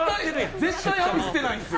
絶対、網捨てないんですよ。